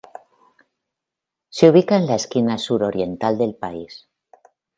Se ubica en la esquina suroriental del país.